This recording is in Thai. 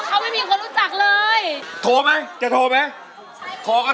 ข้ามแบบนี้ไปเลยใช่ไหมครับ